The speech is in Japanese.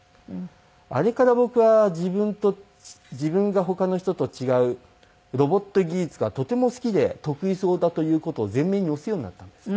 あれから僕は自分と自分が他の人と違うロボット技術がとても好きで得意そうだという事を前面に押すようになったんです。